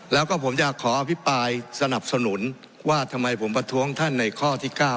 แล้วก็ผมอยากขออภิปรายสนับสนุนว่าทำไมผมประท้วงท่านในข้อที่๙